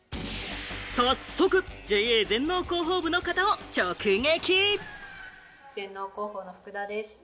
早速、ＪＡ全農広報部の方を直撃。